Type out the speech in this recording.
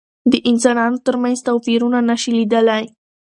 د انسانانو تر منځ توپيرونه نشي لیدلای.